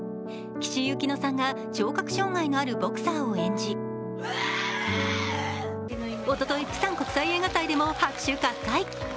岸井ゆきのさんが聴覚障害のあるボクサーを演じ、おとといプサン国際映画祭でも拍手喝采。